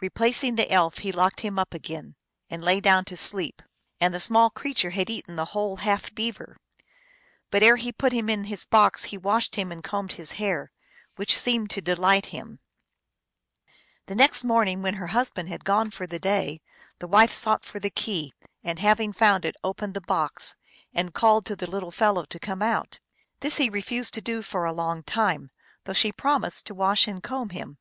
Replacing the elf, he locked him up again, and lay down to sleep. And the small creature had eaten the whole half beaver. But ere he put him in his box he washed him and combed his hair, which seemed to delight him. 302 THE ALGONQUIN LEGENDS. The next morning, when her husband had gone for the day, the wife sought for the key, and having found it opened the box and called to the little fellow to come out. This he refused to do for a long time, though she promised to wash and comb him.